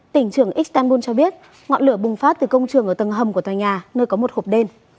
tỉnh trưởng istanbul cho biết ngọn lửa bùng phát từ công trường ở tầng hầm của tòa nhà nơi có một hộp đen